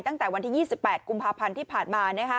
ตั้งแต่วันที่๒๘กุมภาพันธ์ที่ผ่านมา